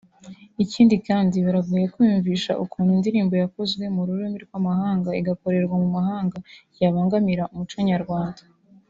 Ikindi kandi biragoye kwiyumvisha ukuntu indirimbo yakozwe mu rurimi rw'amahanga igakorerwa mu mahanga yabangamira umuco nyarwanda